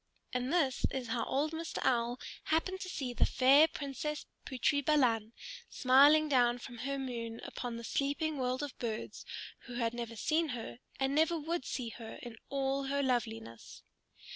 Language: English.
And this is how old Mr. Owl happened to see the fair Princess Putri Balan, smiling down from her moon upon the sleeping world of birds who had never seen her and never would see her in all her loveliness.